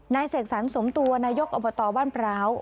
เสกสรรสมตัวนายกอบตบ้านพร้าว